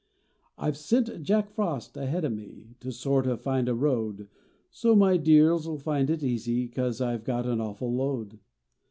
I ve sent Jack Frost ahead o me To sort o find a road, So my deers 11 find it easy Cause I ve got an awful load.